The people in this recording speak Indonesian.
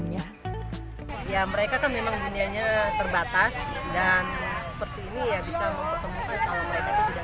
ya mereka kan memang dunianya terbatas dan seperti ini ya bisa mempertemukan kalau mereka itu tidak